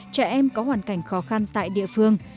trẻ em có hoàn cảnh khó khăn tại địa phương